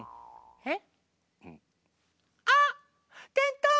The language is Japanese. えっ！